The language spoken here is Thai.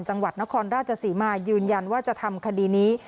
จังหวัดนครราชศรีมายืนยันว่าจะทำคดีนี้